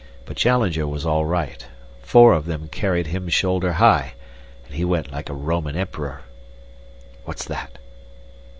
But Challenger was all right. Four of them carried him shoulder high, and he went like a Roman emperor. What's that?"